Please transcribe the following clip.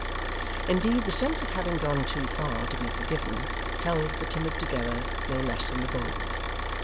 Indeed, the sense of having gone too far to be forgiven, held the timid together no less than the bold.